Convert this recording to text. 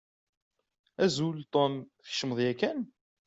Azul, Tom, tkecmeḍ yakan?